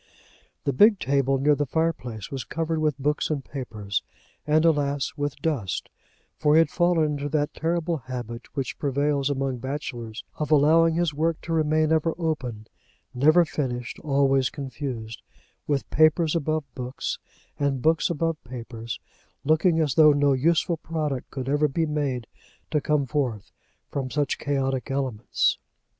The big table near the fireplace was covered with books and papers, and, alas, with dust; for he had fallen into that terrible habit which prevails among bachelors, of allowing his work to remain ever open, never finished, always confused, with papers above books, and books above papers, looking as though no useful product could ever be made to come forth from such chaotic elements.